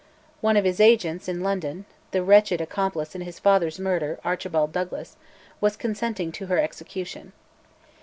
One of his agents in London the wretched accomplice in his father's murder, Archibald Douglas was consenting to her execution.